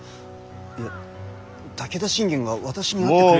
いや武田信玄が私に会ってくれる。